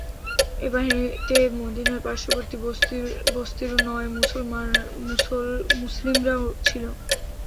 এ বাহিনীতে মদীনার পার্শ্ববর্তী বসতির নও মুসলিমরাও ছিল।